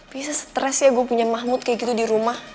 biasa stres ya gue punya mahmud kayak gitu di rumah